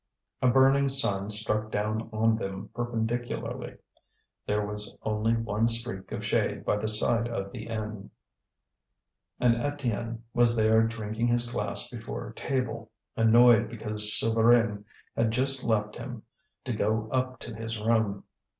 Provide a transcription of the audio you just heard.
A burning sun struck down on them perpendicularly; there was only one streak of shade by the side of the inn; and Étienne was there drinking his glass before a table, annoyed because Souvarine had just left him to go up to his room.